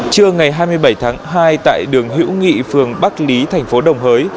trưa ngày hai mươi bảy tháng hai tại đường hữu nghị phường bắc lý thành phố đồng hới